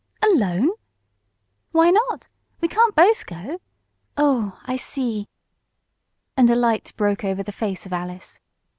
Alone?" "Why not? We can't both go. Oh, I see!" and a light broke over the face of Alice.